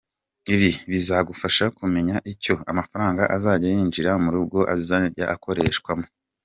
Ibi bizagufasha kumenya icyo amafaranga azajya yinjira mu rugo azajya akoreshwamo.